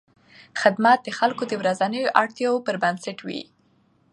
خدمت د خلکو د ورځنیو اړتیاوو پر بنسټ وي.